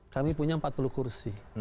kami punya empat puluh kursi